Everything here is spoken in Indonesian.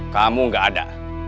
kamu enggak ada